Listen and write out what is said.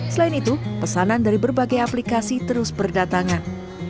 selain itu pesanan dari berbagai aplikasi terus berdatangan